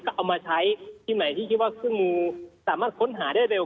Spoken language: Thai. ก็เอามาใช้ที่ไหนที่คิดว่าเครื่องมือสามารถค้นหาได้เร็ว